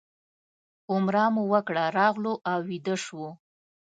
عمره مو وکړه راغلو او ویده شوو.